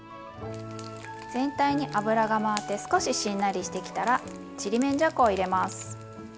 全体に油が回って少ししんなりしてきたらちりめんじゃこを入れます。